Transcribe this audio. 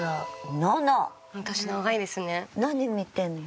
何見てんの？